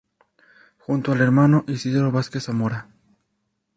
Junto al Hermano Isidro Vasquez Zamora.